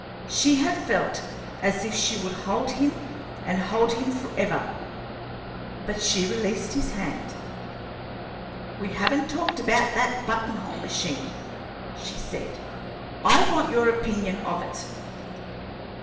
She had felt as if she would hold him and hold him forever, but she released his hand. "We haven't talked about that button hole machine," she said. "I want your opinion of it."